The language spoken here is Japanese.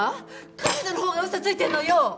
彼女のほうが嘘ついてるのよ！